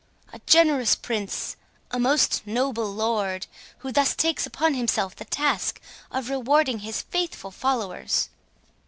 "A generous Prince!—a most noble Lord, who thus takes upon himself the task of rewarding his faithful followers!"